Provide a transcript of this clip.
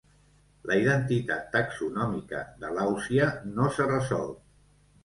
La identitat taxonòmica de l'"ausia" no s'ha resolt.